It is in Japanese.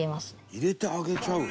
「入れて揚げちゃう？」